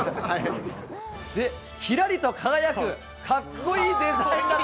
きらりと輝くかっこいいデザイン。